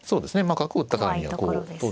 角を打ったからにはこう当然。